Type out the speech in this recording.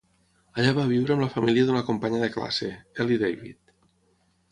Allà va viure amb la família d'una companya de classe, Elie David.